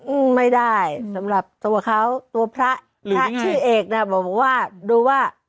อืมไม่ได้สำหรับตัวเขาตัวพระหรือพระพระชื่อเอกน่ะบอกว่าดูว่า